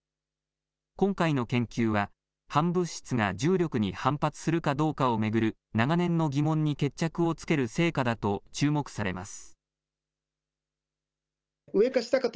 今回の研究は反物質が重力に反発するかどうかを巡る長年の疑問に決着をつける成果だと注目されます。